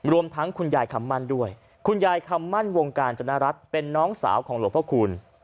รวมทั้งคุณยายคำมั่นวงการจณรัชเป็นน้องสาวของหลวงพระคุณ